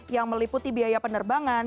yang meliputi biaya penerbangan